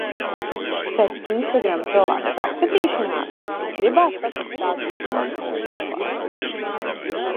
Pēc Instagram cilvēku saskatīšanās, gribās satikt tādu īstu cilvēku!